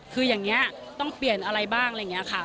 คืออย่างนี้ต้องเปลี่ยนอะไรบ้างอะไรอย่างนี้ค่ะ